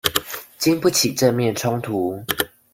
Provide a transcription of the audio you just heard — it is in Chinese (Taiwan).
禁不起正面衝突